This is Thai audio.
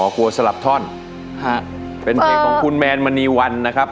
กลัวสลับท่อนฮะเป็นเพลงของคุณแมนมณีวันนะครับ